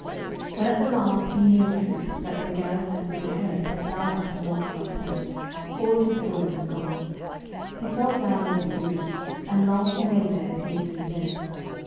When at the last he knew in truth that Sir Gareth and Sir Gaheris had died by Sir Launcelot's hand, all his joy was gone. He fell down in a swoon, and long he lay there as he had been dead.